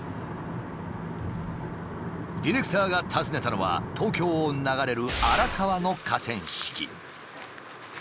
ディレクターが訪ねたのは東京を流れる荒川の河川敷。